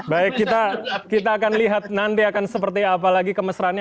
baik kita akan lihat nanti akan seperti apa lagi kemesraannya